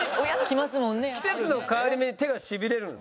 季節の変わり目に手がしびれるんですか？